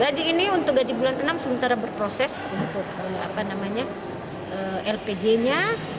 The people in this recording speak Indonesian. gaji ini untuk gaji bulan enam sementara berproses untuk lpj nya